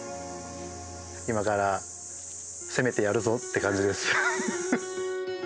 今から攻めてやるぞって感じです。